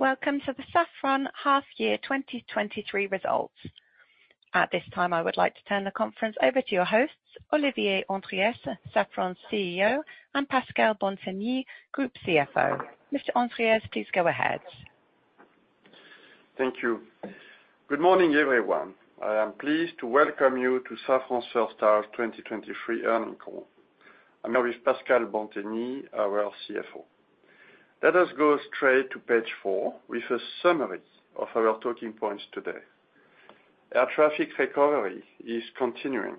Welcome to the Safran Half Year 2023 Results. At this time, I would like to turn the conference over to your hosts, Olivier Andriès, Safran's CEO, and Pascal Bantegnie, Group CFO. Mr. Andriès, please go ahead. Thank you. Good morning, everyone. I am pleased to welcome you to Safran's H1 2023 Earnings Call. I'm here with Pascal Bantegnie, our CFO. Let us go straight to page four with a summary of our talking points today. Air traffic recovery is continuing.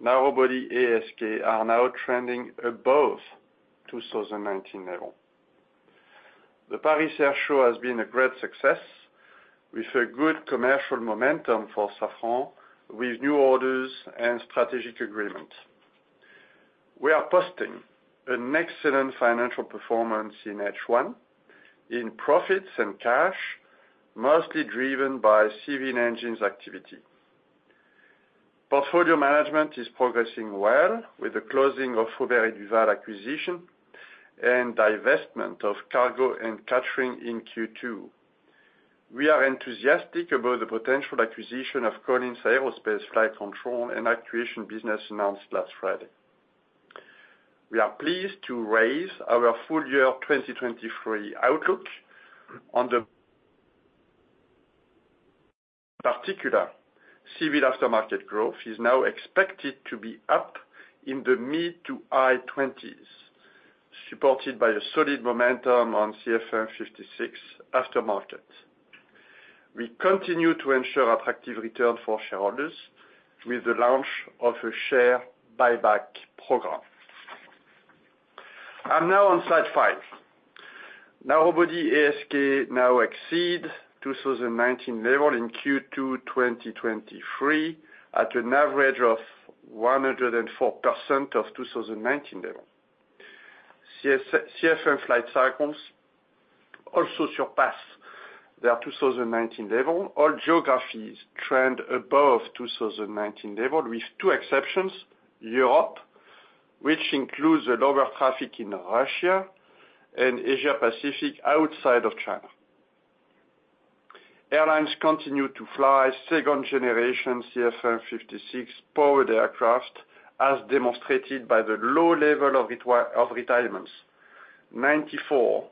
Narrow-body ASK are now trending above 2019 level. The Paris Air Show has been a great success, with a good commercial momentum for Safran, with new orders and strategic agreement. We are posting an excellent financial performance in H1, in profits and cash, mostly driven by civil engines activity. Portfolio management is progressing well with the closing of Faurecia acquisition and divestment of cargo and catering in Q2. We are enthusiastic about the potential acquisition of Collins Aerospace flight control and actuation business announced last Friday. We are pleased to raise our full year 2023 outlook. Particular, civil aftermarket growth is now expected to be up in the mid-to-high 20s, supported by a solid momentum on CFM56 aftermarket. We continue to ensure attractive return for shareholders with the launch of a share buyback program. I'm now on slide five. Narrow-body ASK now exceeds 2019 level in Q2 2023, at an average of 104% of 2019 level. CFM flight cycles also surpass their 2019 level. All geographies trend above 2019 level, with two exceptions, Europe, which includes the lower traffic in Russia and Asia Pacific outside of China. Airlines continue to fly second-generation CFM56-powered aircraft, as demonstrated by the low level of retirements, 94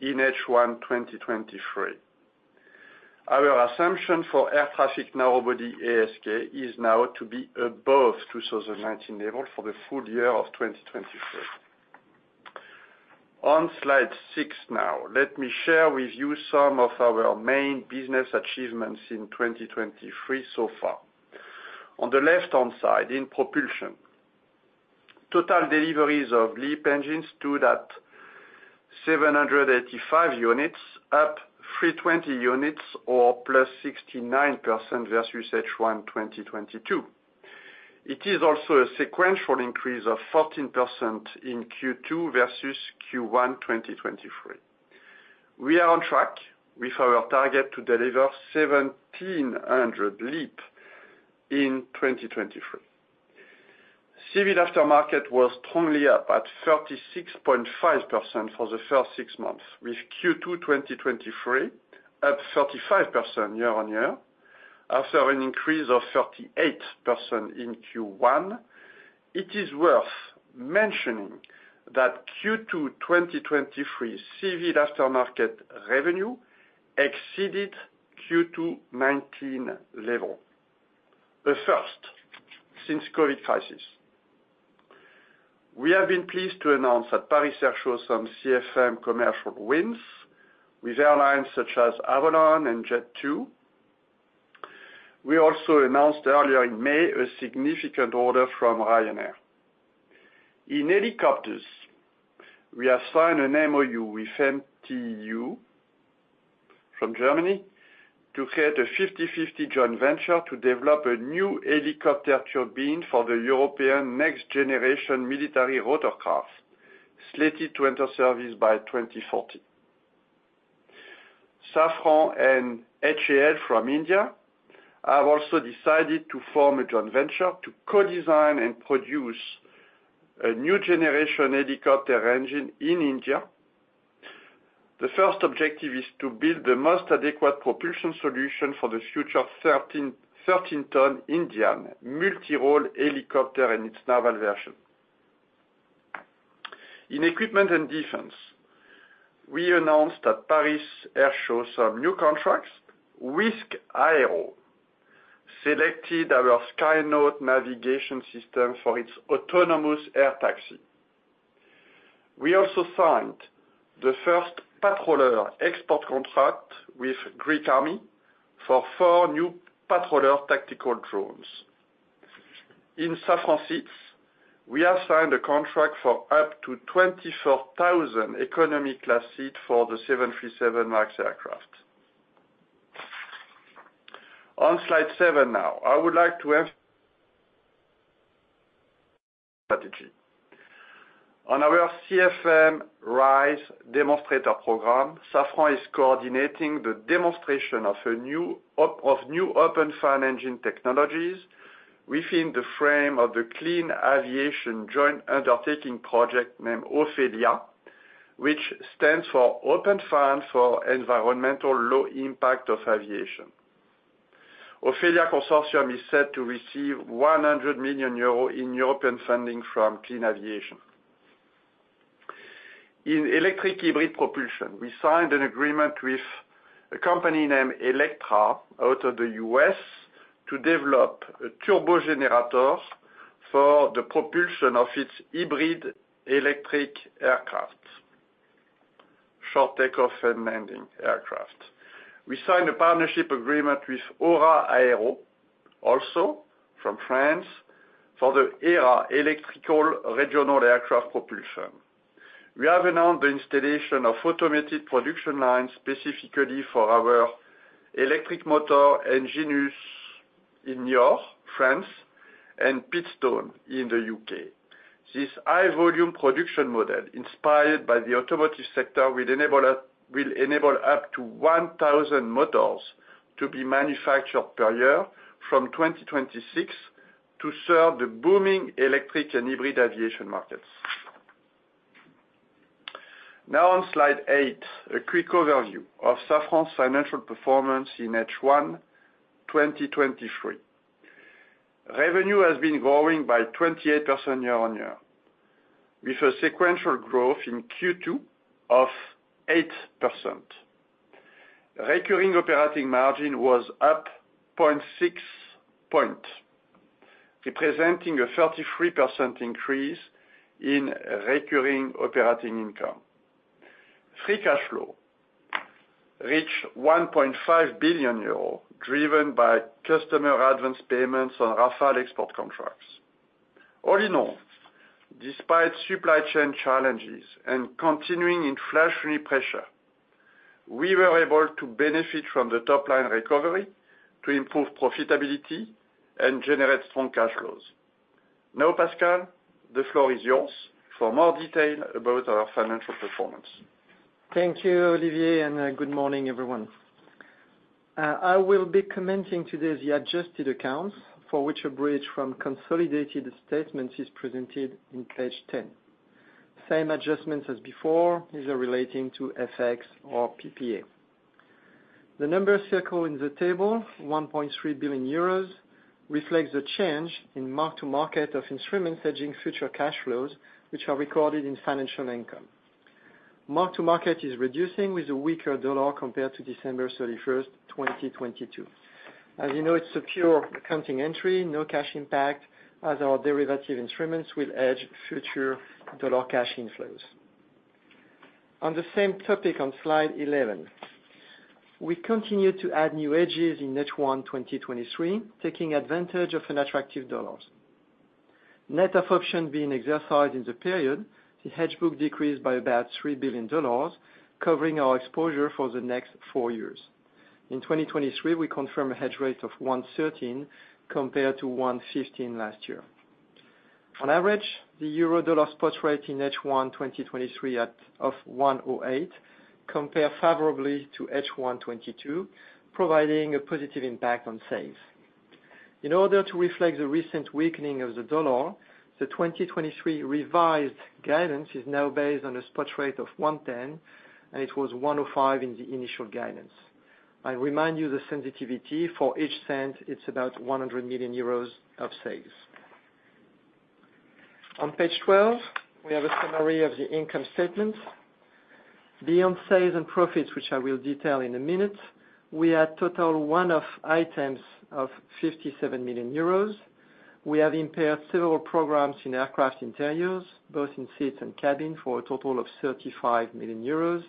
in H1 2023. Our assumption for air traffic narrow-body ASK is now to be above 2019 level for the full year of 2023. On slide six now, let me share with you some of our main business achievements in 2023 so far. On the left-hand side, in propulsion, total deliveries of LEAP engines stood at 785 units, up 320 units or +69% versus H1 2022. It is also a sequential increase of 14% in Q2 versus Q1 2023. We are on track with our target to deliver 1,700 LEAP in 2023. Civil aftermarket was strongly up at 36.5% for the first six months, with Q2 2023 up 35% year-over-year, after an increase of 38% in Q1. It is worth mentioning that Q2 2023 civil aftermarket revenue exceeded Q2 2019 level, the first since COVID crisis. We have been pleased to announce at Paris Air Show some CFM commercial wins with airlines such as Avolon and Jet2. We also announced earlier in May a significant order from Ryanair. In helicopters, we have signed an MOU with MTU from Germany to create a 50/50 joint venture to develop a new helicopter turbine for the European next-generation military rotorcraft, slated to enter service by 2040. Safran and HAL from India have also decided to form a joint venture to co-design and produce a new generation helicopter engine in India. The first objective is to build the most adequate propulsion solution for the future 13 ton Indian multi-role helicopter and its naval version. In equipment and defense, we announced at Paris Air Show some new contracts. Wisk Aero selected our SkyNaute navigation system for its autonomous air taxi. We also signed the first Patroller export contract with Hellenic Army for four new Patroller tactical drones. In Safran Seats, we have signed a contract for up to 24,000 economy class seat for the 737 MAX aircraft. On slide seven now, I would like to have... strategy. On our CFM RISE Demonstrator program, Safran is coordinating the demonstration of new open fan engine technologies within the frame of the Clean Aviation Joint Undertaking project named OFELIA, which stands for Open Fan for Environmental Low Impact of Aviation. OFELIA Consortium is set to receive 100 million euro in European funding from Clean Aviation. In electric hybrid propulsion, we signed an agreement with a company named Electra, out of the U.S., to develop a turbo generator for the propulsion of its hybrid electric aircraft, short takeoff and landing aircraft. We signed a partnership agreement with AURA AERO, also from France, for the ERA Electric Regional Aircraft Propulsion. We have announced the installation of automated production lines, specifically for our electric motor engines in Niort, France, and Pitstone in the U.K. This high volume production model, inspired by the automotive sector, will enable up to 1,000 motors to be manufactured per year from 2026 to serve the booming electric and hybrid aviation markets. On slide eight, a quick overview of Safran's financial performance in H1, 2023. Revenue has been growing by 28% year-on-year, with a sequential growth in Q2 of 8%. Recurring operating margin was up 0.6 point, representing a 33% increase in recurring operating income. Free cash flow reached 1.5 billion euros, driven by customer advance payments on Rafale export contracts. All in all, despite supply chain challenges and continuing inflationary pressure, we were able to benefit from the top line recovery to improve profitability and generate strong cash flows. Pascal, the floor is yours for more detail about our financial performance. Thank you, Olivier. Good morning, everyone. I will be commenting today the adjusted accounts, for which a bridge from consolidated statement is presented in page 10. Same adjustments as before, these are relating to FX or PPA. The number circled in the table, 1.3 billion euros, reflects the change in mark-to-market of instrument hedging future cash flows, which are recorded in financial income. Mark to market is reducing with a weaker dollar compared to December 31st, 2022. As you know, it's a pure accounting entry, no cash impact, as our derivative instruments will hedge future dollar cash inflows. On the same topic, on slide 11, we continued to add new hedges in H1 2023, taking advantage of an attractive dollars. Net of option being exercised in the period, the hedge book decreased by about $3 billion, covering our exposure for the next four years. In 2023, we confirm a hedge rate of 1.13 compared to 1.15 last year. On average, the euro-dollar spot rate in H1 2023 of 1.08 compare favorably to H1 2022, providing a positive impact on sales. In order to reflect the recent weakening of the dollar, the 2023 revised guidance is now based on a spot rate of 1.10, and it was 1.05 in the initial guidance. I remind you the sensitivity for each cent, it's about 100 million euros of sales. On page 12, we have a summary of the income statement. Beyond sales and profits, which I will detail in a minute, we had total one-off items of 57 million euros. We have impaired several programs in aircraft interiors, both in seats and cabin, for a total of 35 million euros,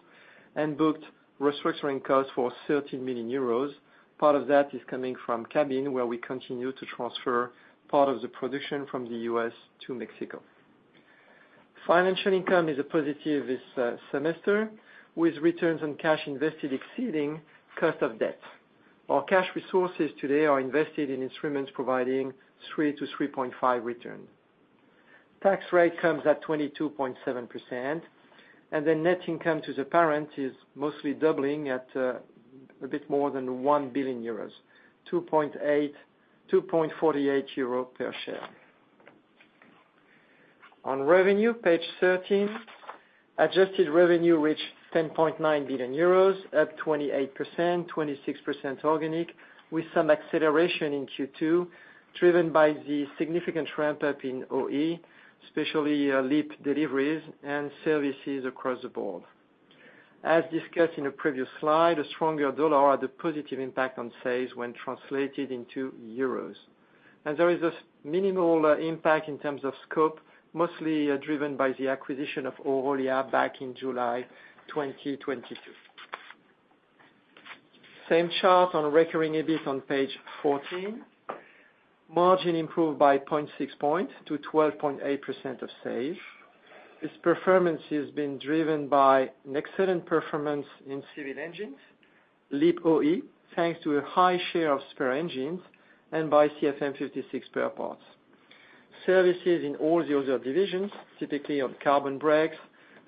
and booked restructuring costs for 13 million euros. Part of that is coming from cabin, where we continue to transfer part of the production from the US to Mexico. Financial income is a positive this semester, with returns on cash invested exceeding cost of debt. Our cash resources today are invested in instruments providing 3% to 3.5% return. Tax rate comes at 22.7%, and the net income to the parent is mostly doubling at a bit more than 1 billion euros, 2.48 euro per share. On revenue, page 13, adjusted revenue reached 10.9 billion euros, up 28%, 26% organic, with some acceleration in Q2, driven by the significant ramp-up in OE, especially LEAP deliveries and services across the board. As discussed in a previous slide, a stronger dollar had a positive impact on sales when translated into euros. There is a minimal impact in terms of scope, mostly driven by the acquisition of Orolia back in July 2022. Same chart on recurring EBIT on page 14. Margin improved by 0.6 point to 12.8% of sales. This performance has been driven by an excellent performance in civil engines, LEAP OE, thanks to a high share of spare engines and by CFM56 spare parts. Services in all the other divisions, typically on carbon brakes,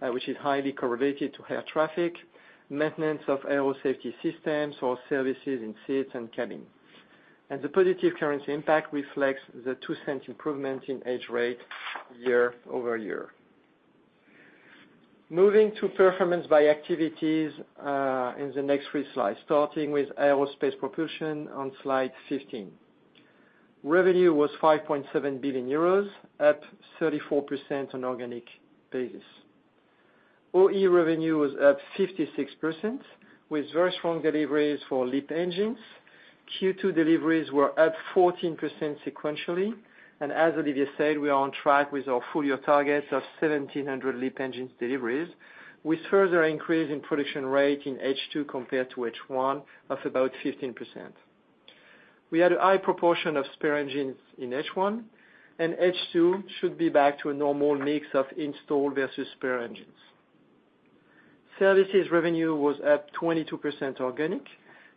which is highly correlated to air traffic, maintenance of aero safety systems or services in seats and cabin. The positive currency impact reflects the 0.02 improvement in edge rate year-over-year. Moving to performance by activities, in the next three slides, starting with aerospace propulsion on slide 15. Revenue was 5.7 billion euros, up 34% on organic basis. OE revenue was up 56%, with very strong deliveries for LEAP engines. Q2 deliveries were up 14% sequentially, and as Olivier Andriès said, we are on track with our full year targets of 1,700 LEAP engines deliveries, with further increase in production rate in H2 compared to H1 of about 15%. We had a high proportion of spare engines in H1. H2 should be back to a normal mix of installed versus spare engines. Services revenue was up 22% organic,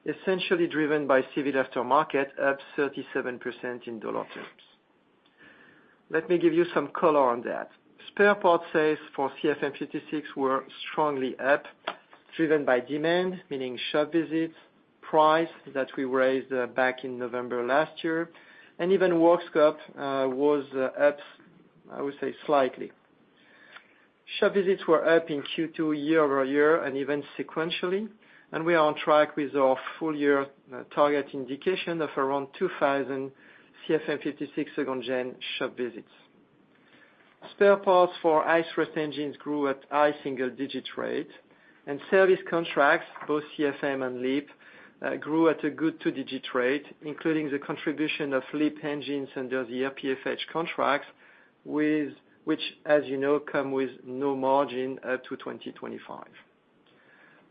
essentially driven by civil aftermarket, up 37% in dollar terms. Let me give you some color on that. Spare parts sales for CFM56 were strongly up, driven by demand, meaning shop visits, price that we raised, back in November last year, and even work scope, was up, I would say, slightly. Shop visits were up in Q2, year-over-year and even sequentially, we are on track with our full year target indication of around 2,000 CFM56 second gen shop visits. Spare parts for high-thrust engines grew at high single-digit rate, and service contracts, both CFM and LEAP grew at a good 2-digit rate, including the contribution of LEAP engines under the RPFH contracts, which, as you know, come with no margin to 2025.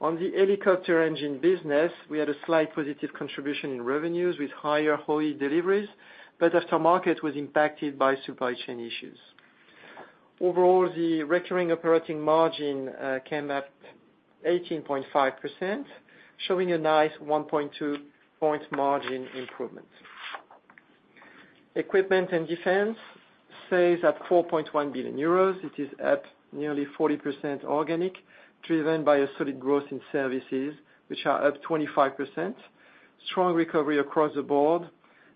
On the helicopter engine business, we had a slight positive contribution in revenues with higher HOE deliveries, but aftermarket was impacted by supply chain issues. Overall, the recurring operating margin came up 18.5%, showing a nice 1.2 point margin improvement. Equipment and defense stays at 4.1 billion euros. It is up nearly 40% organic, driven by a solid growth in services, which are up 25%. Strong recovery across the board,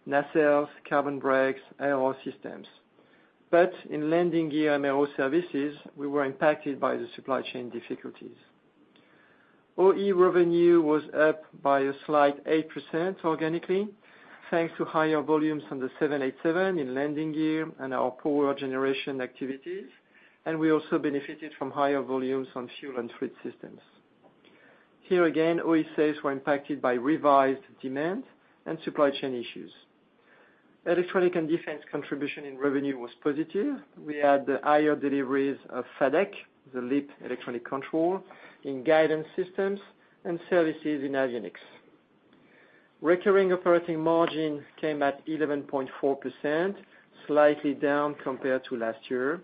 nacelles, carbon brakes, aero systems. In landing gear and aero services, we were impacted by the supply chain difficulties. OE revenue was up by a slight 8% organically, thanks to higher volumes on the 787 in landing gear and our power generation activities, and we also benefited from higher volumes on fuel and fluid systems. Here, again, OE sales were impacted by revised demand and supply chain issues. Electronic and defense contribution in revenue was positive. We had higher deliveries of FADEC, the LEAP electronic control in guidance systems and services in avionics. Recurring operating margin came at 11.4%, slightly down compared to last year.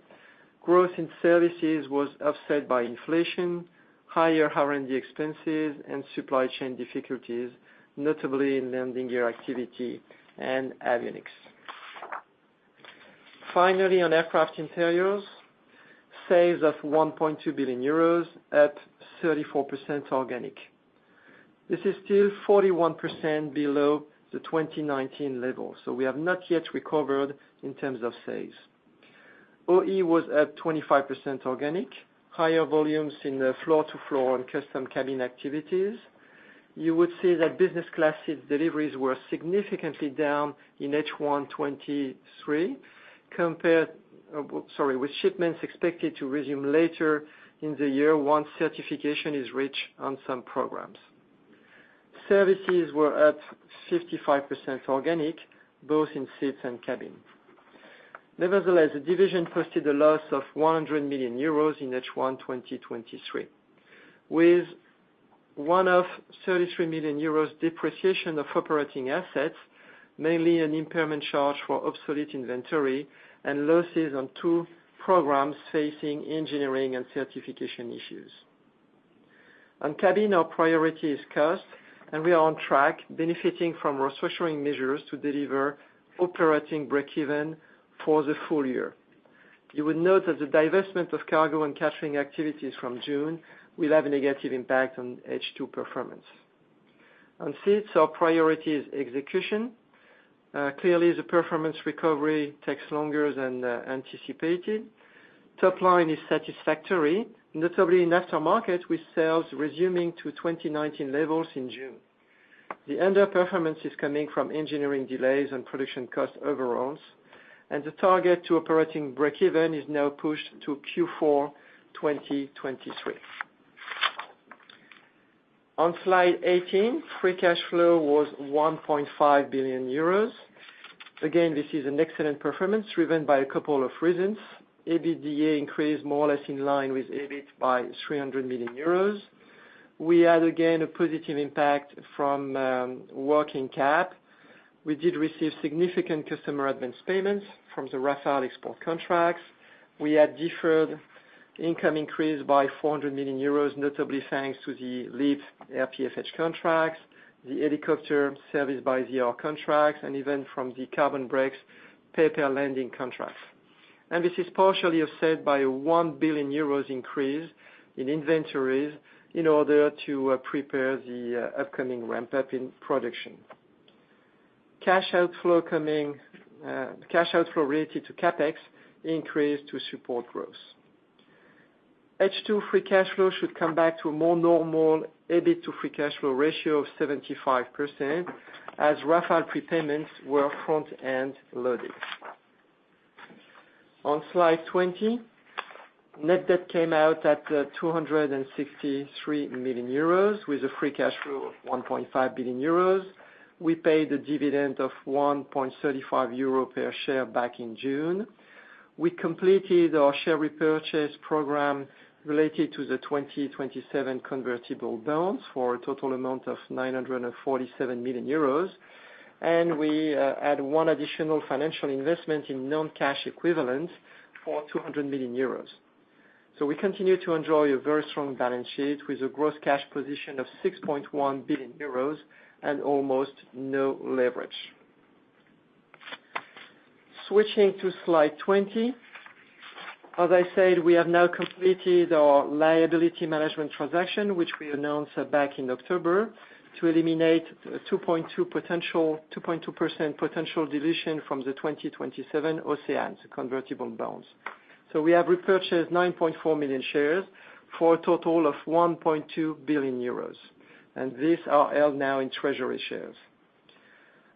Growth in services was offset by inflation, higher R&D expenses, and supply chain difficulties, notably in landing gear activity and avionics. On aircraft interiors, sales of 1.2 billion euros, up 34% organic. This is still 41% below the 2019 level, we have not yet recovered in terms of sales. OE was at 25% organic, higher volumes in the floor-to-floor on custom cabin activities. You would see that business class seats deliveries were significantly down in H1 2023 compared, sorry, with shipments expected to resume later in the year once certification is reached on some programs. Services were up 55% organic, both in seats and cabin. The division posted a loss of 100 million euros in H1 2023, with one of 33 million euros depreciation of operating assets, mainly an impairment charge for obsolete inventory and losses on two programs facing engineering and certification issues. On cabin, our priority is cost, and we are on track, benefiting from restructuring measures to deliver operating breakeven for the full year. You will note that the divestment of cargo and catering activities from June will have a negative impact on H2 performance. On seats, our priority is execution. Clearly, the performance recovery takes longer than anticipated. Top line is satisfactory, notably in aftermarket, with sales resuming to 2019 levels in June. The underperformance is coming from engineering delays and production cost overruns, and the target to operating breakeven is now pushed to Q4 2023. On slide eighteen, free cash flow was 1.5 billion euros. Again, this is an excellent performance, driven by a couple of reasons. EBITDA increased more or less in line with EBIT by 300 million euros. We had, again, a positive impact from working cap. We did receive significant customer advance payments from the Rafale export contracts. Income increased by 400 million euros, notably thanks to the LEAP RPFH contracts, the helicopter service by the R contracts, and even from the carbon brakes pay-per-landing contracts. This is partially offset by a 1 billion euros increase in inventories in order to prepare the upcoming ramp-up in production. Cash outflow related to CapEx increased to support growth. H2 free cash flow should come back to a more normal EBIT to free cash flow ratio of 75%, as Rafale prepayments were front-end loaded. On Slide 20, net debt came out at 263 million euros, with a free cash flow of 1.5 billion euros. We paid a dividend of 1.35 euro per share back in June. We completed our share repurchase program related to the 2027 convertible bonds for a total amount of 947 million euros. We had 1 additional financial investment in non-cash equivalents for 200 million euros. We continue to enjoy a very strong balance sheet, with a gross cash position of 6.1 billion euros and almost no leverage. Switching to Slide 20. As I said, we have now completed our liability management transaction, which we announced back in October, to eliminate a 2.2% potential dilution from the 2027 OCEANE convertible bonds. We have repurchased 9.4 million shares for a total of 1.2 billion euros, and these are held now in treasury shares.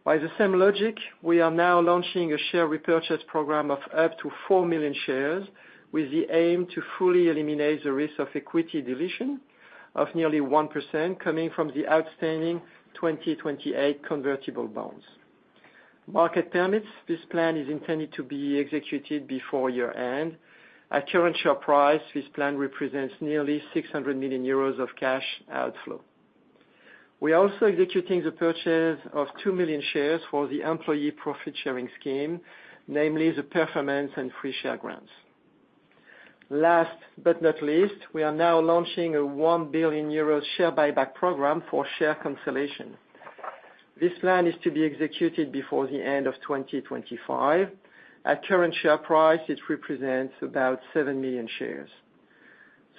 By the same logic, we are now launching a share repurchase program of up to 4 million shares, with the aim to fully eliminate the risk of equity dilution of nearly 1% coming from the outstanding 2028 convertible bonds. Market permits, this plan is intended to be executed before year-end. At current share price, this plan represents nearly 600 million euros of cash outflow. We are also executing the purchase of 2 million shares for the employee profit-sharing scheme, namely the performance and free share grants. Last but not least, we are now launching a 1 billion euro share buyback program for share consolidation. This plan is to be executed before the end of 2025. At current share price, it represents about 7 million shares.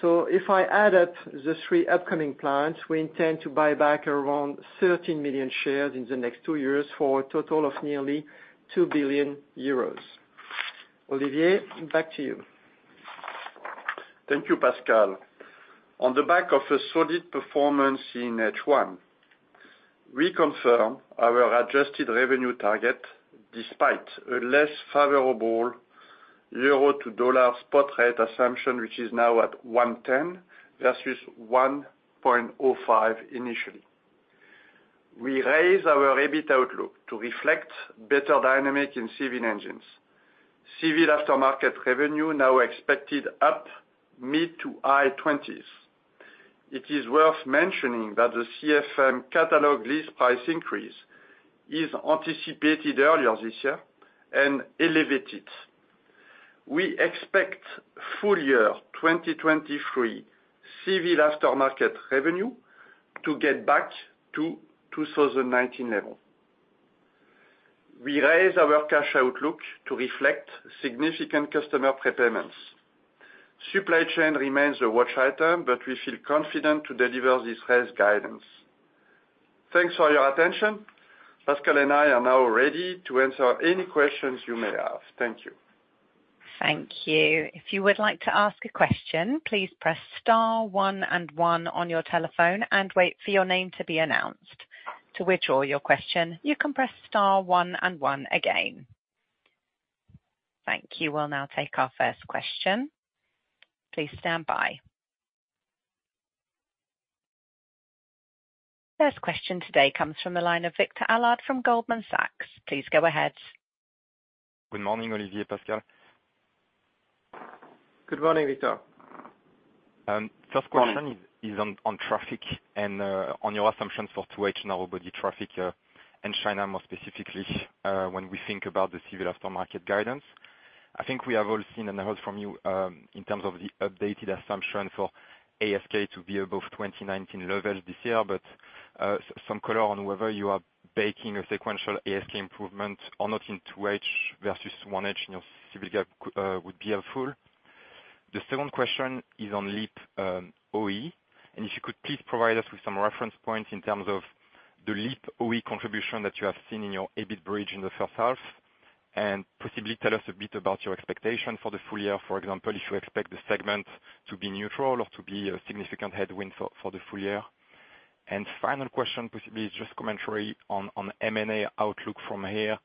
If I add up the three upcoming plans, we intend to buy back around 13 million shares in the next two years for a total of nearly 2 billion euros. Olivier, back to you. Thank you, Pascal. On the back of a solid performance in H1, we confirm our adjusted revenue target despite a less favorable euro to dollar spot rate assumption, which is now at 1.10 versus 1.05 initially. We raised our EBIT outlook to reflect better dynamic in civil engines. Civil aftermarket revenue now expected up mid-to-high 20%. It is worth mentioning that the CFM catalog list price increase is anticipated earlier this year and elevated. We expect full year 2023 civil aftermarket revenue to get back to 2019 level. We raise our cash outlook to reflect significant customer prepayments. Supply chain remains a watch item, but we feel confident to deliver this raised guidance. Thanks for your attention. Pascal and I are now ready to answer any questions you may have. Thank you. Thank you. If you would like to ask a question, please press star one and one on your telephone and wait for your name to be announced. To withdraw your question, you can press star one and one again. Thank you. We'll now take our first question. Please stand by. First question today comes from the line of Robert Allard from Goldman Sachs. Please go ahead. Good morning, Olivier, Pascal. Good morning, Robert Allard. First question is on traffic and on your assumptions for H2 narrow-body traffic in China, more specifically, when we think about the civil aftermarket guidance. I think we have all seen and heard from you in terms of the updated assumption for ASK to be above 2019 levels this year, but some color on whether you are baking a sequential ASK improvement or not in H2 versus H1 in your civil gap would be helpful. The second question is on LEAP OE, and if you could please provide us with some reference points in terms of the LEAP OE contribution that you have seen in your EBIT bridge in the H1, and possibly tell us a bit about your expectation for the full year. For example, if you expect the segment to be neutral or to be a significant headwind for the full year. Final question, possibly just commentary on M&A outlook from here.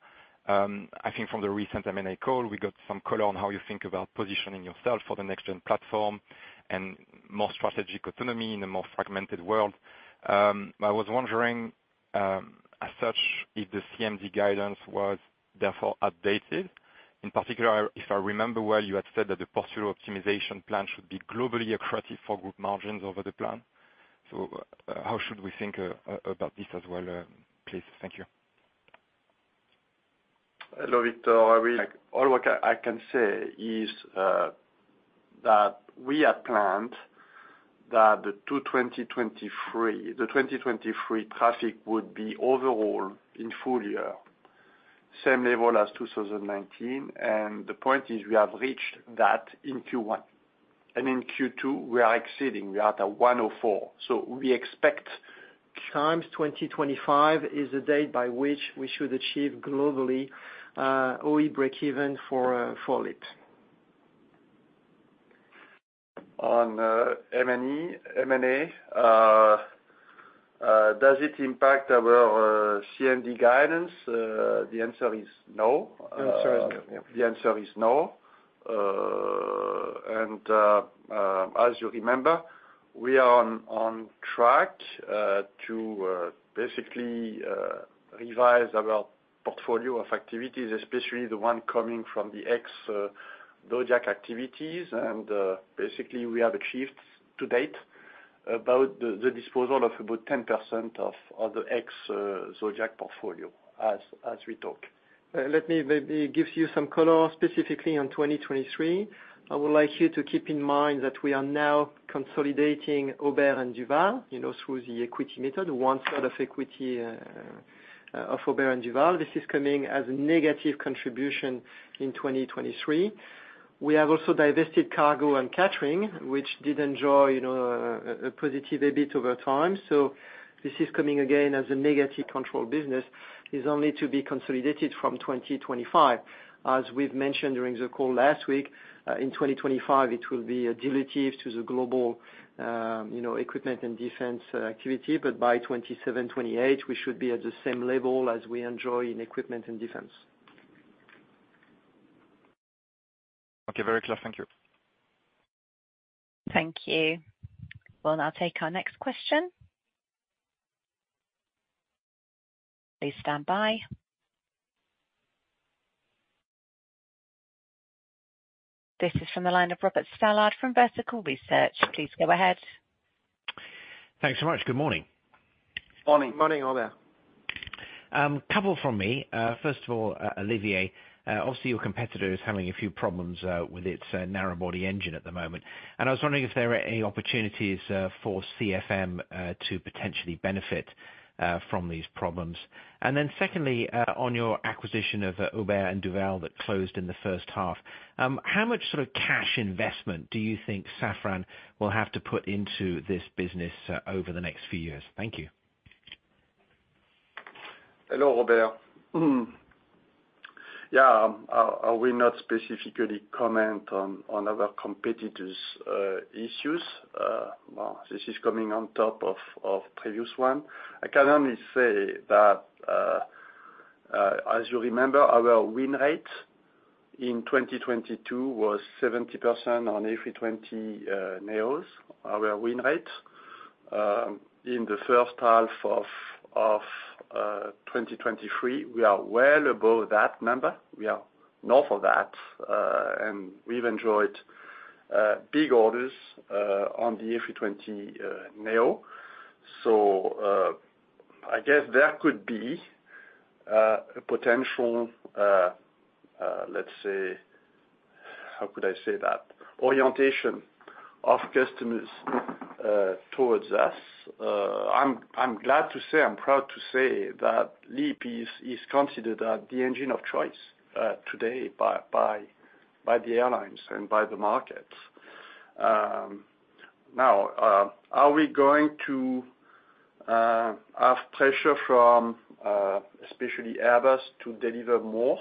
I think from the recent M&A call, we got some color on how you think about positioning yourself for the next-gen platform and more strategic autonomy in a more fragmented world. I was wondering, as such, if the CMD guidance was therefore updated, in particular, if I remember well, you had said that the portfolio optimization plan should be globally accretive for group margins over the plan. How should we think about this as well, please? Thank you. Hello, Robert. All what I can say is that 2023 traffic would be overall in full year, same level as 2019. The point is, we have reached that in Q1, and in Q2 we are exceeding, we are at a 104. We expect times 2025 is the date by which we should achieve globally OE breakeven for LEAP. On M&A, does it impact our R&D guidance? The answer is no. Answer is no. The answer is no. As you remember, we are on track to basically revise our portfolio of activities, especially the one coming from the ex-Zodiac activities. Basically, we have achieved to date, about the disposal of about 10% of the ex, Zodiac portfolio, as we talk. Let me maybe give you some color, specifically on 2023. I would like you to keep in mind that we are now consolidating Aubert & Duval, you know, through the equity method, one sort of equity of Aubert & Duval. This is coming as a negative contribution in 2023. We have also divested cargo and catering, which did enjoy, you know, a positive EBIT over time. This is coming again, as a negative control business, is only to be consolidated from 2025. As we've mentioned during the call last week, in 2025, it will be additive to the global, you know, equipment and defense activity. By 2027-2028, we should be at the same level as we enjoy in equipment and defense. Okay. Very clear. Thank you. Thank you. We'll now take our next question. Please stand by. This is from the line of Robert Stallard from Vertical Research. Please go ahead. Thanks so much. Good morning. Morning. Morning, Robert. Couple from me. First of all, Olivier, obviously your competitor is having a few problems with its narrow-body engine at the moment. I was wondering if there are any opportunities for CFM to potentially benefit from these problems? Secondly, on your acquisition of Aubert & Duval that closed in the H1, how much sort of cash investment do you think Safran will have to put into this business over the next few years? Thank you. Hello, Robert. I will not specifically comment on our competitors' issues. Well, this is coming on top of previous one. I can only say that as you remember, our win rate in 2022 was 70% on A320 neos. Our win rate in the H1 of 2023, we are well above that number. We are north of that. We've enjoyed big orders on the A320 neo. I guess there could be a potential, let's say, how could I say that? Orientation of customers towards us. I'm glad to say, I'm proud to say that LEAP is considered the engine of choice today by the airlines and by the market. Now, are we going to have pressure from especially Airbus to deliver more?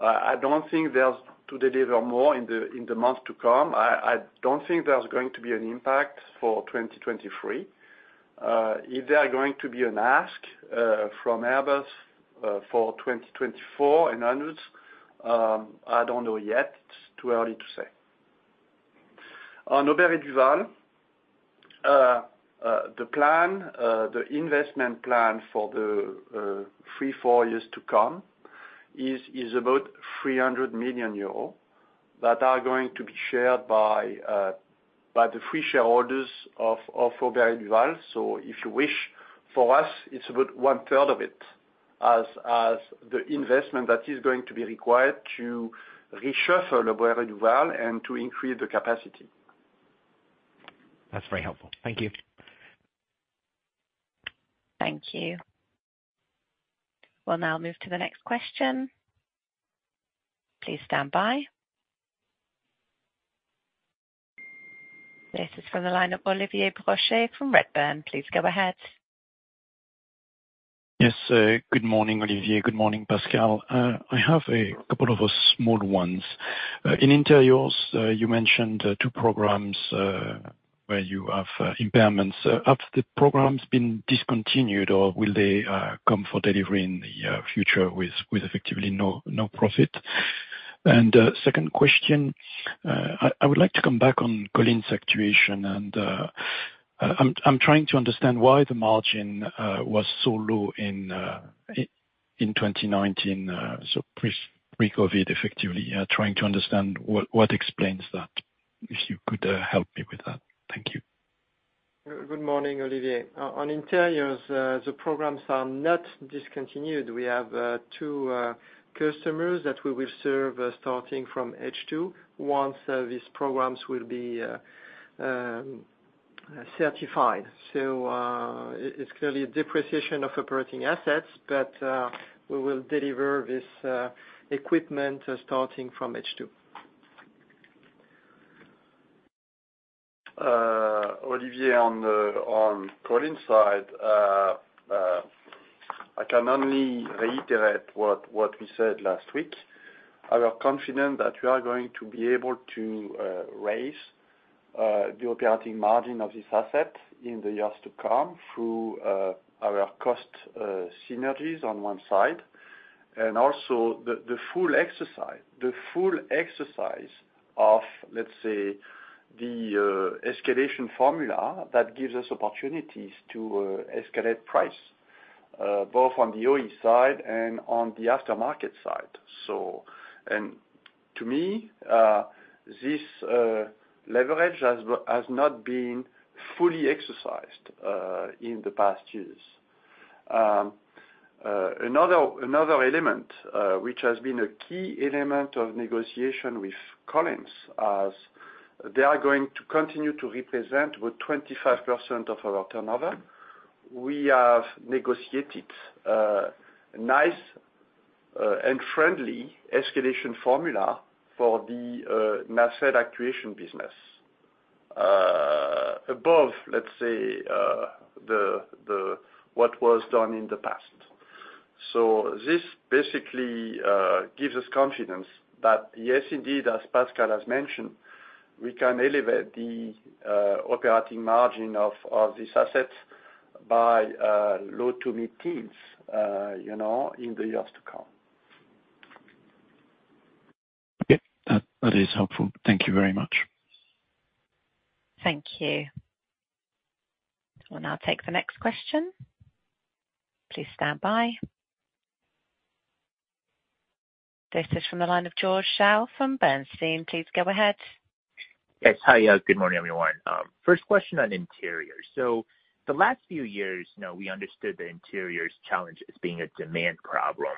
I don't think there's to deliver more in the months to come. I don't think there's going to be an impact for 2023. If there are going to be an ask from Airbus for 2024 and onwards, I don't know yet. It's too early to say. On Aubert & Duval, the plan, the investment plan for the three, four years to come is about 300 million euros, that are going to be shared by the three shareholders of Aubert & Duval. If you wish, for us, it's about 1/3 of it, as the investment that is going to be required to reshuffle Aubert & Duval and to increase the capacity. That's very helpful. Thank you. Thank you. We'll now move to the next question. Please stand by. This is from the line of Olivier Brochet from Redburn. Please go ahead. Yes. Good morning, Olivier. Good morning, Pascal. I have a couple of small ones. In interiors, you mentioned two programs where you have impairments. Have the programs been discontinued, or will they come for delivery in the future with effectively no profit? Second question, I would like to come back on Collins situation and I'm trying to understand why the margin was so low in 2019, so pre-COVID, effectively. Trying to understand what explains that, if you could help me with that. Thank you. Good morning, Olivier. On interiors, the programs are not discontinued. We have two customers that we will serve starting from H2, once these programs will be certified. It's clearly a depreciation of operating assets, but we will deliver this equipment starting from H2. Olivier, on the Collins side, I can only reiterate what we said last week. We are confident that we are going to be able to raise the operating margin of this asset in the years to come, through our cost synergies on one side, and also the full exercise of, let's say, the escalation formula that gives us opportunities to escalate price both on the OE side and on the aftermarket side. To me, this leverage has not been fully exercised in the past years. Another element, which has been a key element of negotiation with Collins, as they are going to continue to represent about 25% of our turnover. We have negotiated nice and friendly escalation formula for the asset actuation business above, let's say, what was done in the past. This basically gives us confidence that yes, indeed, as Pascal has mentioned, we can elevate the operating margin of this asset by low to mid-teens, you know, in the years to come. Okay. That is helpful. Thank you very much. Thank you. We'll now take the next question. Please stand by. This is from the line of George Zhao from Bernstein. Please go ahead. Yes. Hi, good morning, everyone. First question on interiors. The last few years, you know, we understood the interiors challenge as being a demand problem,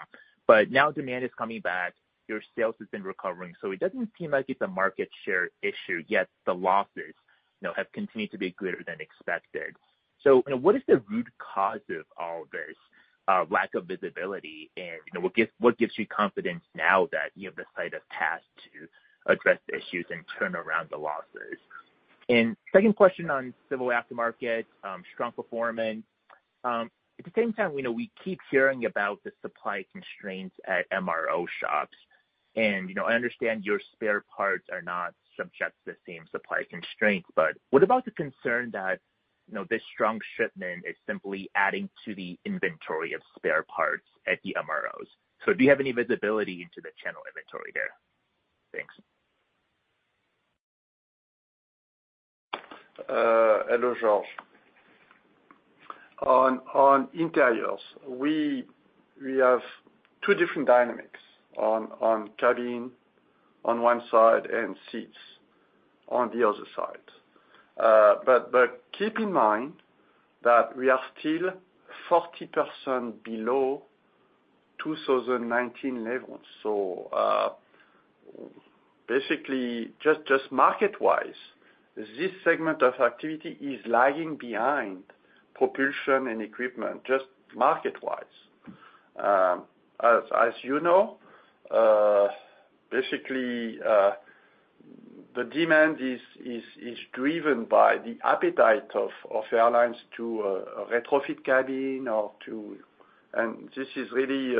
but now demand is coming back, your sales has been recovering, so it doesn't seem like it's a market share issue, yet the losses, you know, have continued to be greater than expected. What is the root cause of all this lack of visibility? You know, what gives you confidence now that you have the sight of path to address the issues and turn around the losses? Second question on civil aftermarket, strong performance. At the same time, you know, we keep hearing about the supply constraints at MRO shops, you know, I understand your spare parts are not subject to the same supply constraints, but what about the concern that, you know, this strong shipment is simply adding to the inventory of spare parts at the MROs? Do you have any visibility into the channel inventory there? Thanks. Hello, George. On interiors, we have two different dynamics on cabin, on one side, and seats on the other side. Keep in mind that we are still 40% below 2019 levels. Basically, just market-wise, this segment of activity is lagging behind propulsion and equipment, just market-wise. As you know, basically, the demand is driven by the appetite of airlines to retrofit cabin. This is really,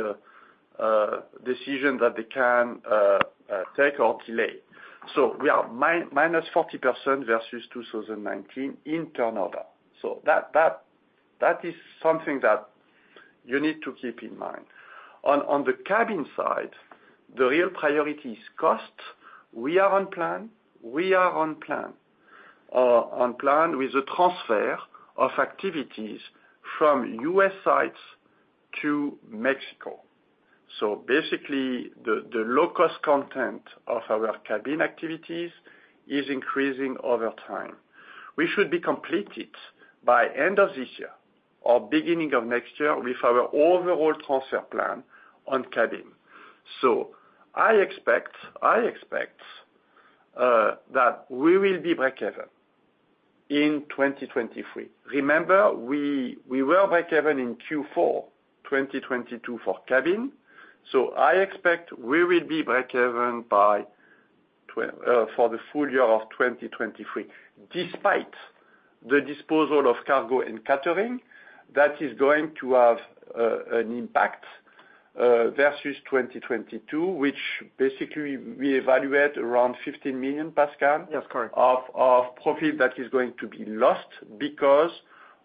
a decision that they can take or delay. We are minus 40% versus 2019 in turnover. That is something that you need to keep in mind. On the cabin side, the real priority is cost. We are on plan with the transfer of activities from U.S. sites to Mexico. Basically, the low-cost content of our cabin activities is increasing over time. We should be completed by end of this year or beginning of next year with our overall transfer plan on cabin. I expect that we will be breakeven in 2023. Remember, we were breakeven in Q4, 2022 for cabin, I expect we will be breakeven for the full year of 2023, despite the disposal of cargo and catering, that is going to have an impact versus 2022, which basically we evaluate around 15 million, Pascal? That's correct. Of profit that is going to be lost because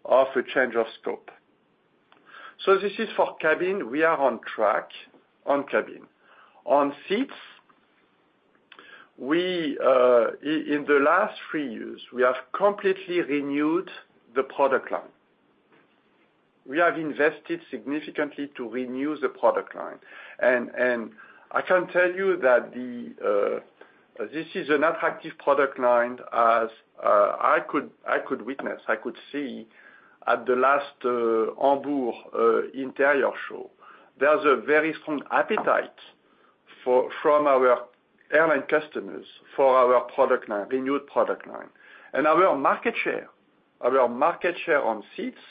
of a change of scope. This is for cabin. We are on track, on cabin. On seats, we in the last three years, we have completely renewed the product line. We have invested significantly to renew the product line. I can tell you that the this is an attractive product line, as I could witness, I could see at the last Hamburg interior show. There's a very strong appetite from our airline customers for our product line, renewed product line. Our market share on seats,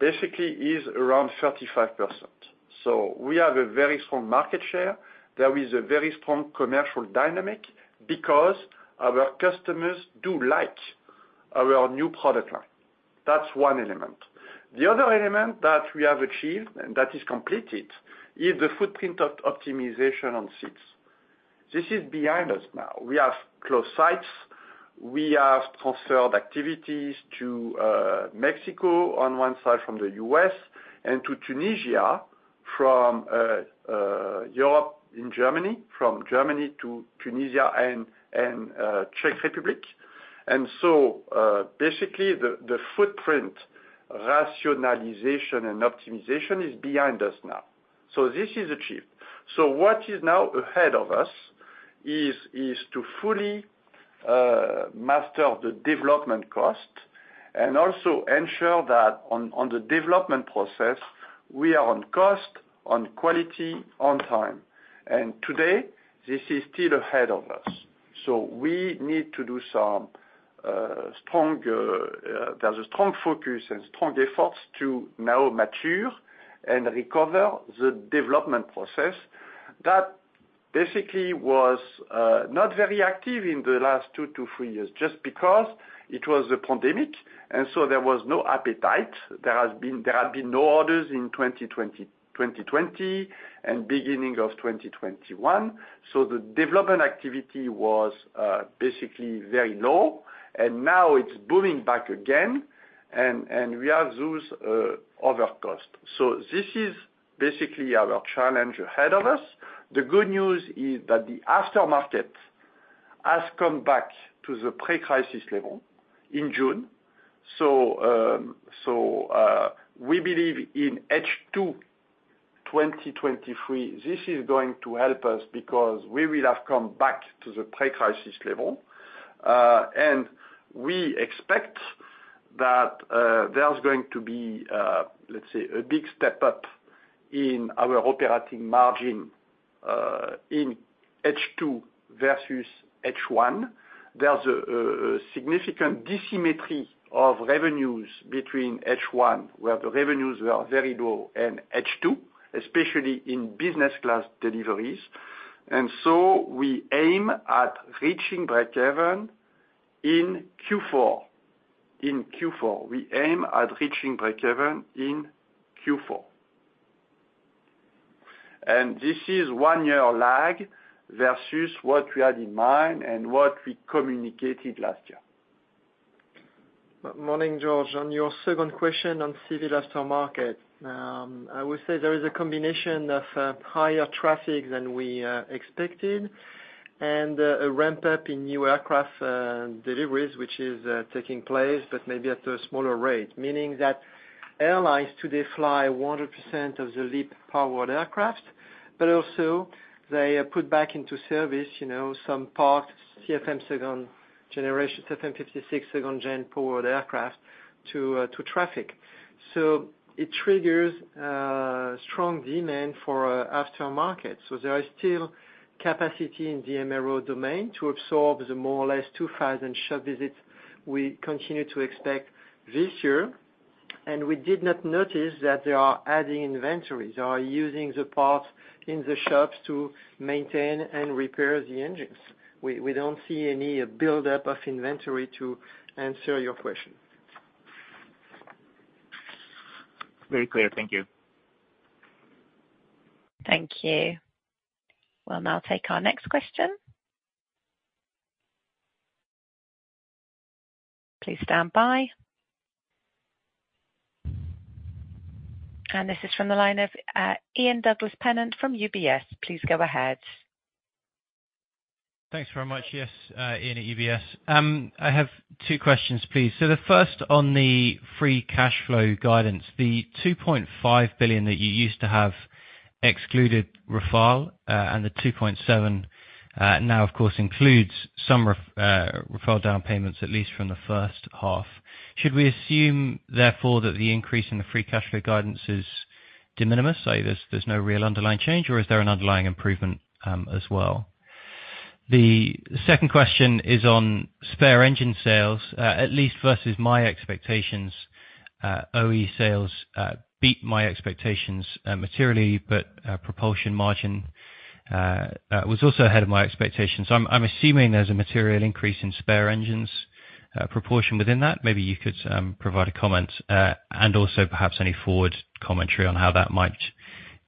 basically is around 35%. We have a very strong market share. There is a very strong commercial dynamic because our customers do like our new product line. That's one element. The other element that we have achieved, and that is completed, is the footprint of optimization on seats. This is behind us now. We have closed sites. We have transferred activities to Mexico on one side from the US, and to Tunisia, from Europe, in Germany, from Germany to Tunisia and Czech Republic. Basically, the footprint rationalization and optimization is behind us now. This is achieved. What is now ahead of us is to fully master the development cost and also ensure that on the development process, we are on cost, on quality, on time. Today, this is still ahead of us. There's a strong focus and strong efforts to now mature and recover the development process. That basically was not very active in the last two to three years, just because it was a pandemic, and so there was no appetite. There have been no orders in 2020 and beginning of 2021. The development activity was basically very low, and now it's booming back again, and we have those other costs. This is basically our challenge ahead of us. The good news is that the aftermarket has come back to the pre-crisis level in June. We believe in H2 2023, this is going to help us because we will have come back to the pre-crisis level. We expect that there's going to be, let's say, a big step up in our operating margin in H2 versus H1. There's a significant dissymmetry of revenues between H1, where the revenues were very low, and H2, especially in business class deliveries. We aim at reaching breakeven in Q4. In Q4, we aim at reaching breakeven in Q4. This is one year lag versus what we had in mind and what we communicated last year. Morning, George. On your second question on civil aftermarket, I would say there is a combination of higher traffic than we expected and a ramp-up in new aircraft deliveries, which is taking place, but maybe at a smaller rate. Meaning that airlines today fly 100% of the LEAP powered aircraft, but also they are put back into service, you know, some parts, CFM second generation, CFM56 second gen powered aircraft, to traffic. It triggers strong demand for aftermarket. There is still capacity in the MRO domain to absorb the more or less 2,000 shop visits we continue to expect this year, and we did not notice that they are adding inventories. They are using the parts in the shops to maintain and repair the engines. We don't see any buildup of inventory to answer your question. Very clear. Thank you. Thank you. We'll now take our next question. Please stand by. This is from the line of, Ian Douglas-Pennant from UBS. Please go ahead. Thanks very much. Yes, Ian, UBS. I have two questions, please. The first, on the free cash flow guidance, the 2.5 billion that you used to have excluded Rafale, and the 2.7 billion now of course, includes some Rafale down payments, at least from the H1. Should we assume, therefore, that the increase in the free cash flow guidance is de minimis, so there's no real underlying change, or is there an underlying improvement as well? The second question is on spare engine sales, at least versus my expectations, OE sales beat my expectations materially, but propulsion margin was also ahead of my expectations. I'm assuming there's a material increase in spare engines proportion within that. Maybe you could provide a comment, and also perhaps any forward commentary on how that might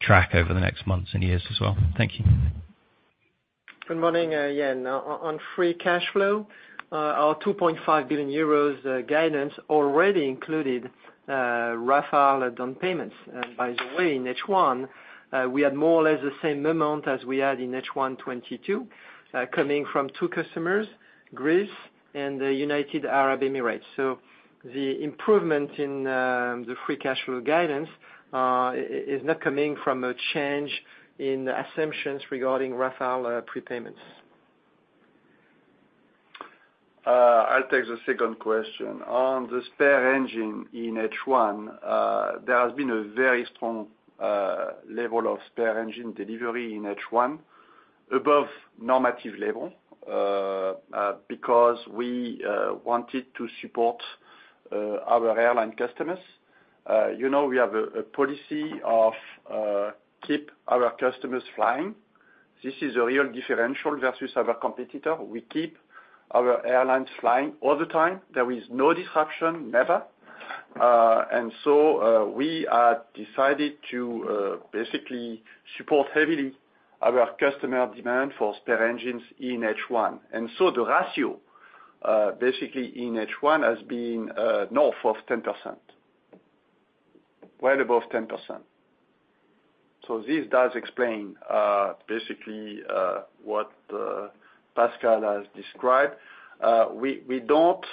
track over the next months and years as well. Thank you. Good morning, yeah, now on free cash flow, our 2.5 billion euros guidance already included Rafale down payments. By the way, in H1, we had more or less the same amount as we had in H1 2022, coming from two customers, Greece and the United Arab Emirates. The improvement in the free cash flow guidance is not coming from a change in the assumptions regarding Rafale prepayments. I'll take the second question. On the spare engine in H1, there has been a very strong level of spare engine delivery in H1, above normative level, because we wanted to support our airline customers. You know, we have a policy of keep our customers flying. This is a real differential versus our competitor. We keep our airlines flying all the time. There is no disruption, never. We are decided to basically support heavily our customer demand for spare engines in H1. The ratio basically in H1 has been north of 10%. Well above 10%. This does explain basically what Pascal has described. We don't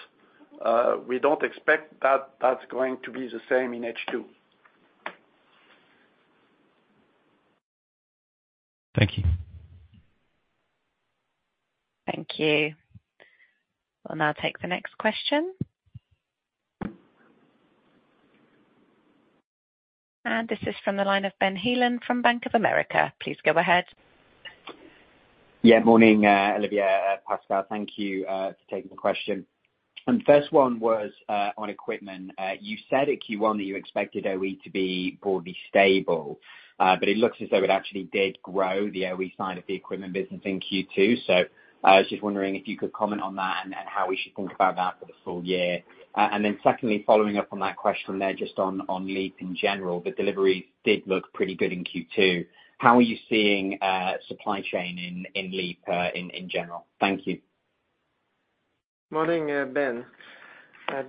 expect that that's going to be the same in H2. Thank you. Thank you. We'll now take the next question. This is from the line of Benjamin Heelan from Bank of America. Please go ahead. Yeah. Morning, Olivier Andriès, Pascal Bantegnie, thank you for taking the question. First one was on equipment. You said at Q1 that you expected OE to be broadly stable, but it looks as though it actually did grow the OE side of the equipment business in Q2. I was just wondering if you could comment on that and how we should think about that for the full year. Secondly following up on that question there, just on LEAP in general, the deliveries did look pretty good in Q2. How are you seeing supply chain in LEAP in general? Thank you. Morning, Ben.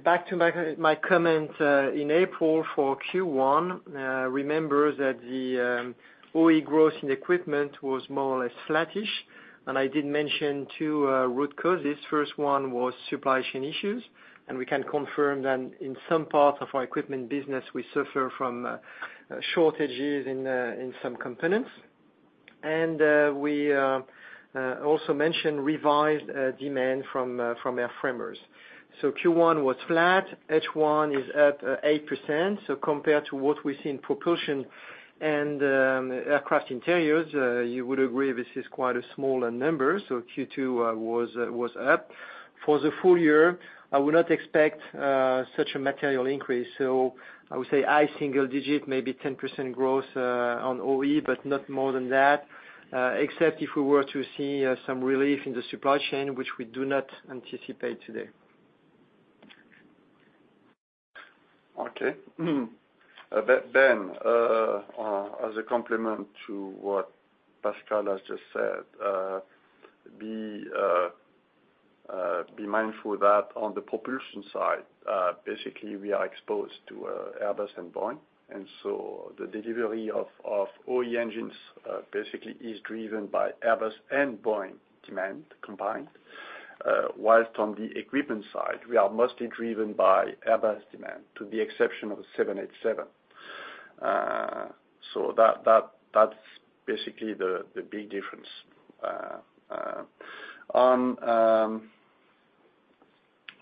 Back to my comment in April for Q1. Remember that the OE growth in equipment was more or less flattish, and I did mention two root causes. First one was supply chain issues, and we can confirm that in some parts of our equipment business, we suffer from shortages in some components. We also mentioned revised demand from airframers. Q1 was flat, H1 is up 8%. Compared to what we see in propulsion and aircraft interiors, you would agree this is quite a smaller number. Q2 was up. For the full year, I would not expect such a material increase, so I would say high single digit, maybe 10% growth on OE, but not more than that, except if we were to see some relief in the supply chain, which we do not anticipate today. Okay. Ben, as a complement to what Pascal has just said, be mindful that on the propulsion side, basically, we are exposed to Airbus and Boeing, and so the delivery of OE engines, basically, is driven by Airbus and Boeing demand combined. Whilst on the equipment side, we are mostly driven by Airbus demand, to the exception of 787. That's basically the big difference.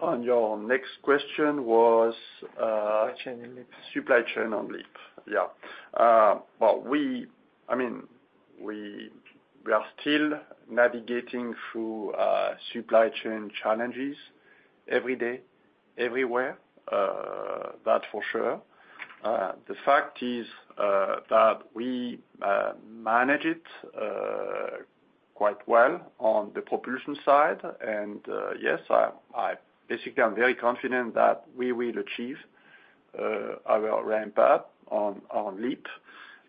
On your next question was. Supply chain and LEAP. Supply chain on LEAP, yeah. Well, I mean, we are still navigating through supply chain challenges every day, everywhere, that for sure. The fact is that we manage it quite well on the propulsion side. Yes, I basically am very confident that we will achieve our ramp up on LEAP,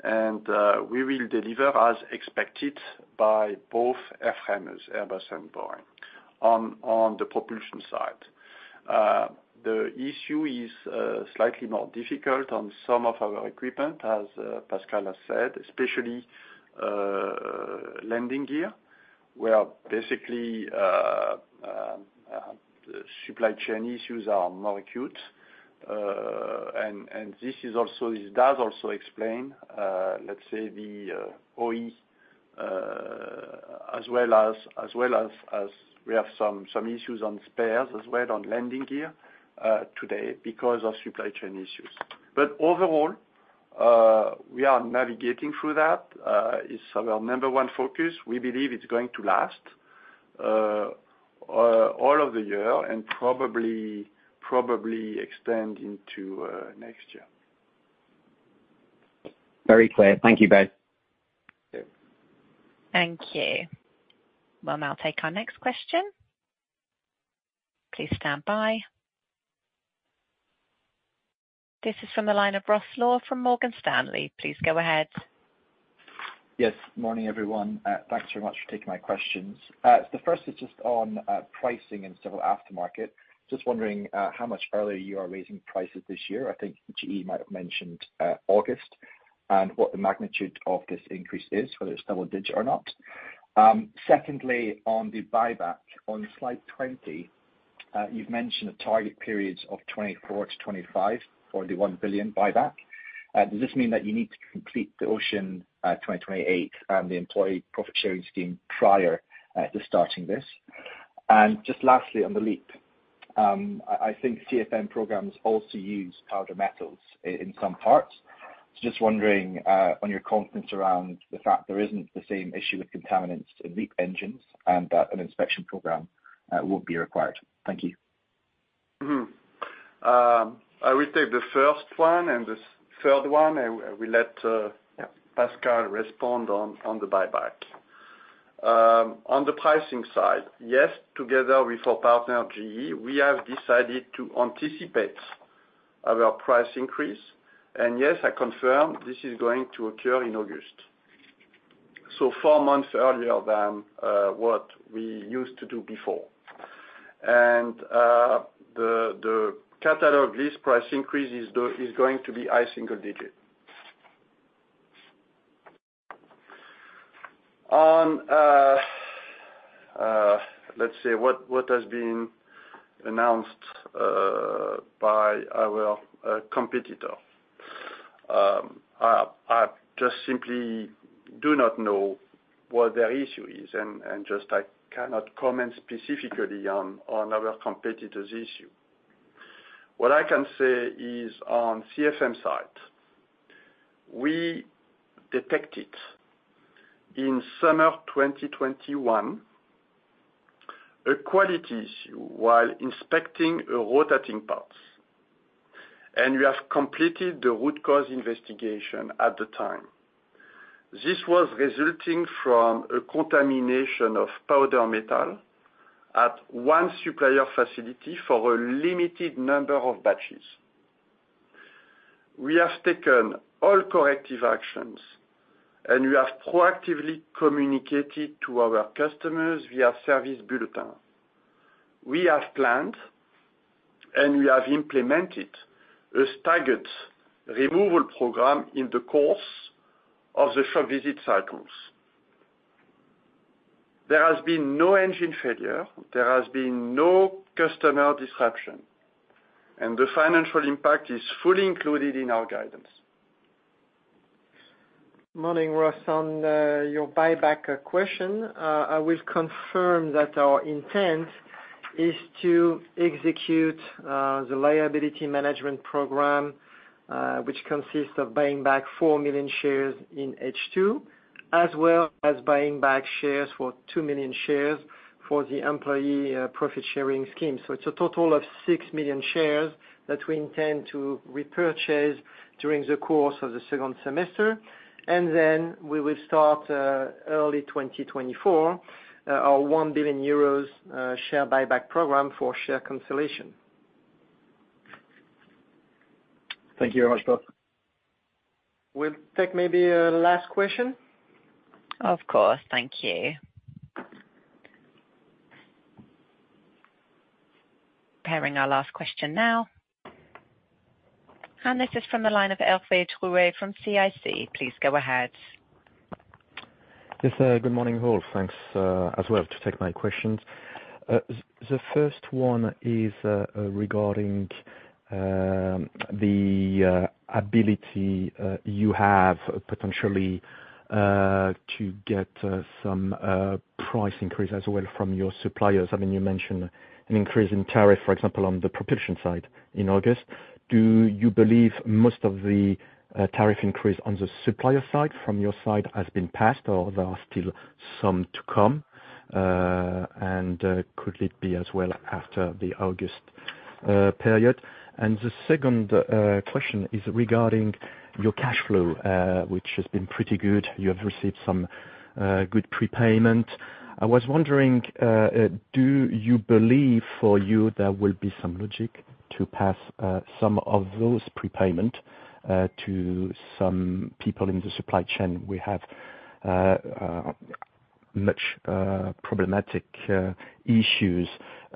and we will deliver as expected by both airframers, Airbus and Boeing, on the propulsion side. The issue is slightly more difficult on some of our equipment, as Pascal has said, especially landing gear, where basically supply chain issues are more acute. And this does also explain, let's say the OE, as well as we have some issues on spares, as well on landing gear today because of supply chain issues. Overall, we are navigating through that. It's our number one focus. We believe it's going to last all of the year and probably extend into next year. Very clear. Thank you, Ben. Yeah. Thank you. We'll now take our next question. Please stand by.... This is from the line of Ross Law from Morgan Stanley. Please go ahead. Morning, everyone. Thanks very much for taking my questions. The first is just on pricing and civil aftermarket. Just wondering how much earlier you are raising prices this year? I think GE might have mentioned August, and what the magnitude of this increase is, whether it's double digit or not. Secondly, on the buyback, on slide 20, you've mentioned the target periods of 2024-2025 for the 1 billion buyback. Does this mean that you need to complete the OCEANE, 2028, and the employee profit sharing scheme prior to starting this? Lastly, on the LEAP, I think CFM programs also use powder metals in some parts. Just wondering, on your confidence around the fact there isn't the same issue with contaminants in LEAP engines, and that an inspection program will be required? Thank you. I will take the first one, and the third one, and we let. Yeah. Pascal respond on the buyback. On the pricing side, yes, together with our partner, GE, we have decided to anticipate our price increase, and yes, I confirm this is going to occur in August. Four months earlier than what we used to do before. The catalog list price increase is going to be high single digit. On, let's say what has been announced by our competitor. I just simply do not know what their issue is, and just I cannot comment specifically on our competitor's issue. What I can say is on CFM side, we detected in summer 2021, a quality issue while inspecting a rotating parts, and we have completed the root cause investigation at the time. This was resulting from a contamination of powder metal at one supplier facility for a limited number of batches. We have taken all corrective actions. We have proactively communicated to our customers via service bulletin. We have planned. We have implemented a staggered removal program in the course of the shop visit cycles. There has been no engine failure, there has been no customer disruption. The financial impact is fully included in our guidance. Morning, Ross. On your buyback question, I will confirm that our intent is to execute the liability management program, which consists of buying back 4 million shares in H2, as well as buying back shares for 2 million shares for the employee profit sharing scheme. It's a total of 6 million shares that we intend to repurchase during the course of the second semester. We will start early 2024, our 1 billion euros share buyback program for share consolidation. Thank you very much, both. We'll take maybe a last question. Of course. Thank you. Preparing our last question now. This is from the line of Hervé Drouet from CIC. Please go ahead. Yes, good morning, all. Thanks, as well, to take my questions. The first one is regarding the ability you have potentially to get some price increase as well from your suppliers. I mean, you mentioned an increase in tariff, for example, on the propulsion side in August. Do you believe most of the tariff increase on the supplier side, from your side, has been passed, or there are still some to come? Could it be as well after the August period? The second question is regarding your cash flow, which has been pretty good. You have received some good prepayment. I was wondering, do you believe for you there will be some logic to pass some of those prepayment to some people in the supply chain? We have much problematic issues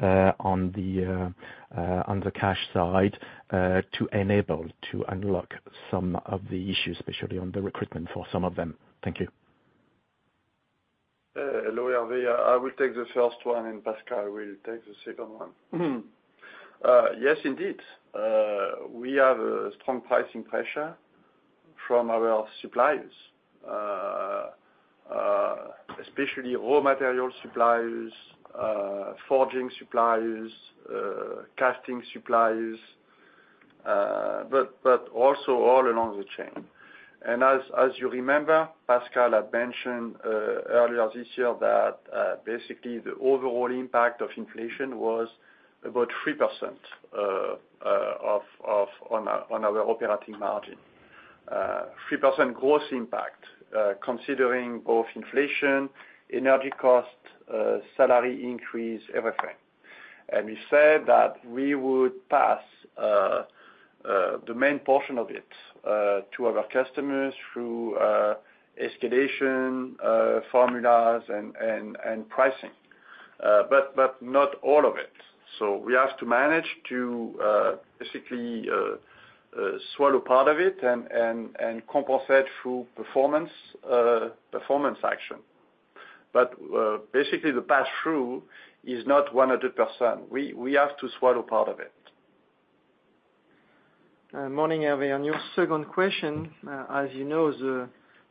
on the cash side to enable to unlock some of the issues, especially on the recruitment for some of them. Thank you. Hello, Hervé. I will take the first one, and Pascal will take the second one. Yes, indeed. We have a strong pricing pressure from our suppliers, especially raw material suppliers, forging suppliers, casting suppliers, but also all along the chain. As you remember, Pascal had mentioned earlier this year that basically the overall impact of inflation was about 3% on our operating margin. 3% gross impact, considering both inflation, energy cost, salary increase, everything. We said that we would pass the main portion of it to our customers through escalation formulas and pricing, not all of it. We have to manage to basically swallow part of it and compensate through performance performance action. Basically, the pass-through is not 100%. We have to swallow part of it. Morning, Hervé. On your second question, as you know, the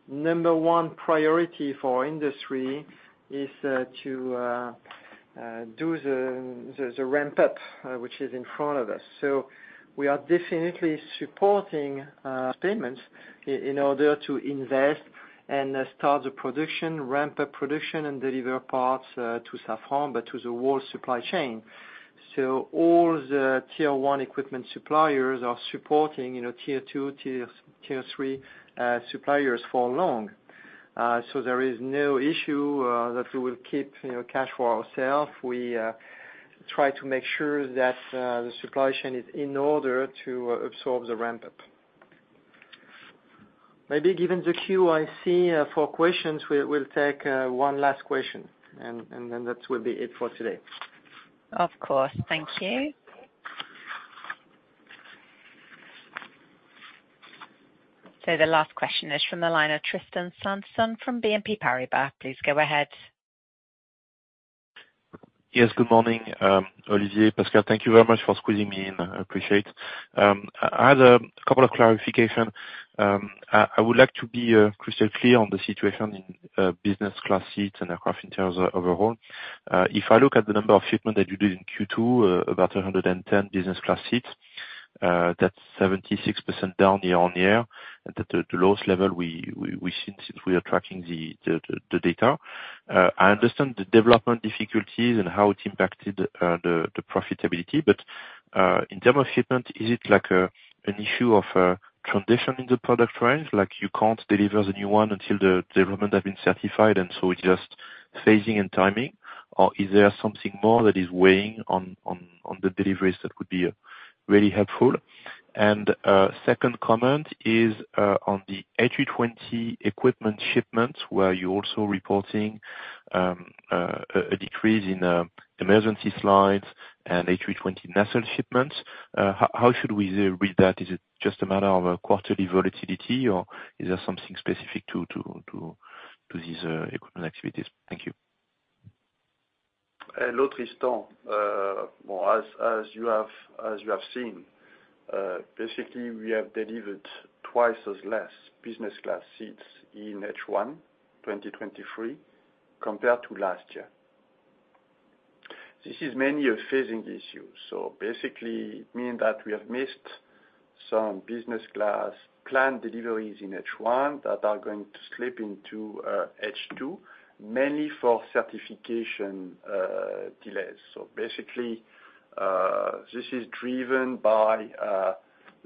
number one priority for our industry is to do the ramp up, which is in front of us. We are definitely supporting statements in order to invest and start the production, ramp up production, and deliver parts to Safran, but to the whole supply chain. All the tier 1 equipment suppliers are supporting, you know, tier 2, tier 3 suppliers for long. There is no issue that we will keep, you know, cash for ourself. We try to make sure that the supply chain is in order to absorb the ramp up. Maybe given the queue, I see four questions. We'll take one last question, and then that will be it for today. Of course. Thank you. The last question is from the line of Tristan Sanson from BNP Paribas. Please go ahead. Good morning, Olivier, Pascal. Thank you very much for squeezing me in. I appreciate. I had a couple of clarification. I would like to be crystal clear on the situation in business class seats and aircraft interiors overall. If I look at the number of shipment that you did in Q2, about 110 business class seats, that's 76% down year-on-year, at the lowest level we've seen since we are tracking the data. I understand the development difficulties and how it impacted the profitability, but in terms of shipment, is it like an issue of transition in the product range? You can't deliver the new one until the development have been certified, it's just phasing and timing, or is there something more that is weighing on the deliveries that would be really helpful? Second comment is on the A320 equipment shipments, where you're also reporting a decrease in emergency slides and A320 nacelle shipments. How should we read that? Is it just a matter of quarterly volatility, or is there something specific to these equipment activities? Thank you. Hello, Tristan. Well, as you have seen, basically, we have delivered twice as less business class seats in H1 2023 compared to last year. This is mainly a phasing issue, basically mean that we have missed some business class planned deliveries in H1 that are going to slip into H2, mainly for certification delays. Basically, this is driven by,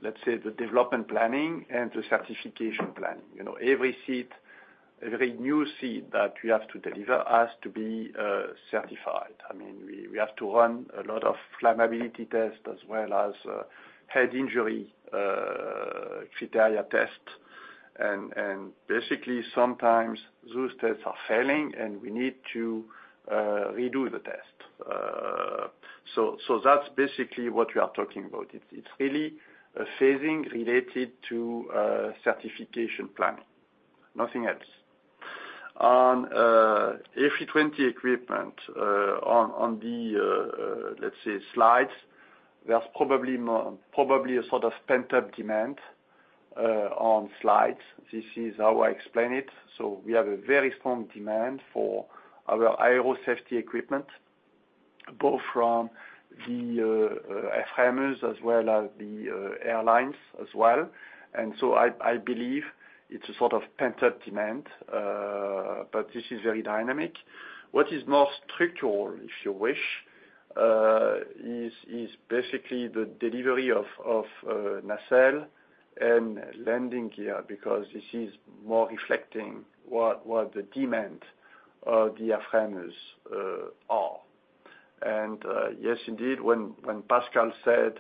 let's say, the development planning and the certification planning. You know, every seat, every new seat that we have to deliver has to be certified. I mean, we have to run a lot of flammability tests as well as head injury criteria tests. Basically, sometimes those tests are failing, and we need to redo the test. That's basically what we are talking about. It's really a phasing related to certification planning, nothing else. On A320 equipment, on the, let's say, slides, there's probably a sort of pent-up demand on slides. This is how I explain it. We have a very strong demand for our aero safety equipment, both from the airframers, as well as the airlines as well. I believe it's a sort of pent-up demand, but this is very dynamic. What is more structural, if you wish, is basically the delivery of nacelle and landing gear, because this is more reflecting what the demand of the airframers are. Yes, indeed, when Pascal said...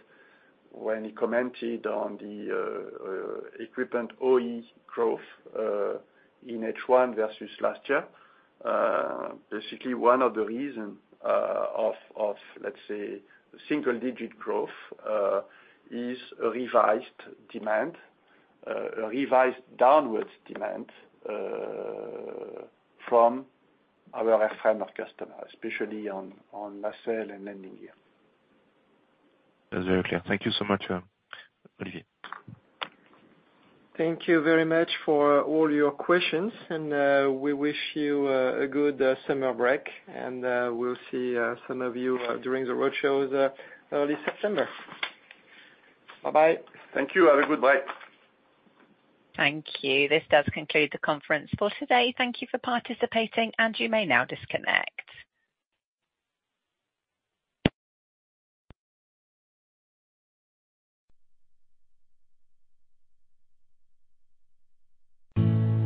When he commented on the equipment OE growth in H1 versus last year, basically one of the reason of, let's say, single-digit growth is a revised demand, a revised downwards demand from our airframer customer, especially on nacelle and landing gear. That's very clear. Thank you so much, Olivier. Thank you very much for all your questions, and we wish you a good summer break, and we'll see some of you during the roadshows early September. Bye-bye. Thank you. Have a good bye. Thank you. This does conclude the conference for today. Thank you for participating, and you may now disconnect.